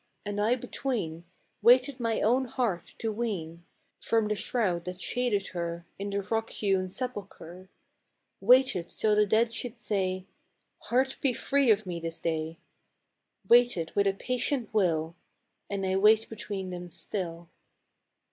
And I between, Waited my own heart to wean SONG OF GOING AWAY. 93 From the shroud that shaded her In the rock hewn sepulchre ; Waited till the dead should say, " Heart be free of me this day "— Waited with a patient will — A nd / wait between them still.